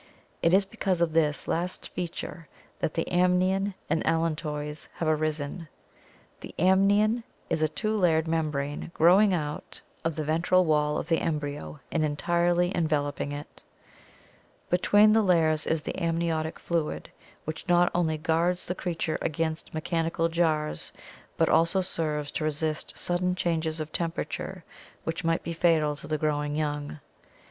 It is because of this last feature that the amnion and allantois have arisen (Fig. 147) The amnion is a two layered membrane growing out of EMERGENCE OF TERRESTRIAL VERTEBRATES 495 the ventral wall of the embryo and entirely enveloping it. . Be tween the layers is the amniotic fluid which not only guards the creature against mechanical jars but also serves to resist sudden changes of temperature which might be fatal to the growing young.